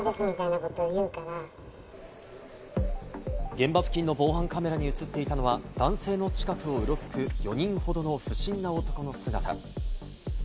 現場付近の防犯カメラに映っていたのは、男性の近くをうろつく、４人ほどの不審な男の姿。